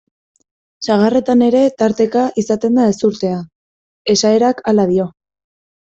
Sagarretan ere tarteka izaten da ezurtea, esaerak hala dio.